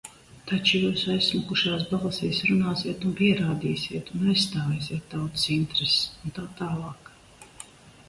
Taču jūs aizsmakušās balsīs runāsiet un pierādīsiet, un aizstāvēsiet tautas intereses, un tā tālāk.